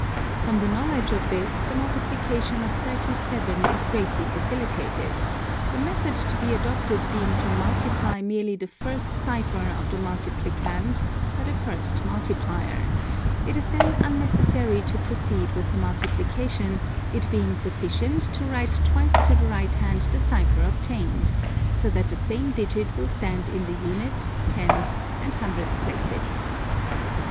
From the knowledge of this the multiplication of 37 is greatly facilitated, the method to be adopted being to multiply merely the first cipher of the multiplicand by the first multiplier; it is then unnecessary to proceed with the multiplication, it being sufficient to write twice to the right hand the cipher obtained, so that the same digit will stand in the unit, tens, and hundreds places.